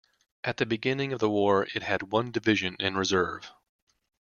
At the beginning of the war it had one division in reserve.